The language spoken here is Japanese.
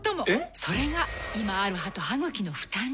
それが今ある歯と歯ぐきの負担に。